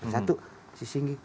satu si singgi